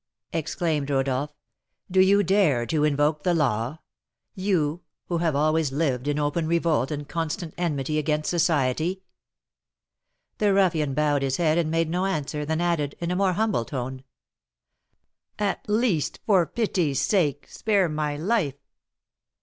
_" exclaimed Rodolph. "Do you dare to invoke the law? you, who have always lived in open revolt and constant enmity against society?" The ruffian bowed his head and made no answer; then added, in a more humble tone: "At least, for pity's sake, spare my life!"